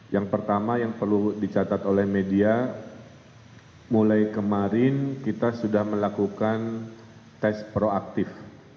yang pertama yang perlu dicatat oleh media mulai kemarin kita sudah melakukan tes proaktif